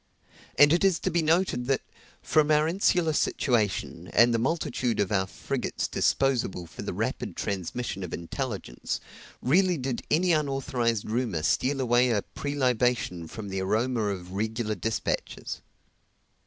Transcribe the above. And it is to be noted that, from our insular situation, and the multitude of our frigates disposable for the rapid transmission of intelligence, rarely did any unauthorized rumor steal away a prelibation from the aroma of the regular dispatches.